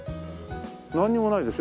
なんにもないですよ